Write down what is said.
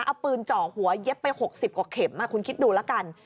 เอาปืนเจาะหัวเย็บไป๖๐กว่าเข็มคุณคิดดูแล้วกัน